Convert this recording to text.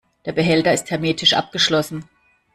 Der Behälter ist hermetisch abgeschlossen.